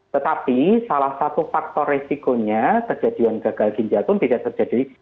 tetapi salah satu faktor resikonya kejadian gagal ginjal pun tidak terjadi